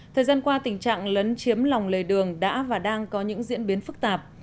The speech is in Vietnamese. thời gian qua tình trạng lấn chiếm lòng lề đường đã và đang có những diễn biến phức tạp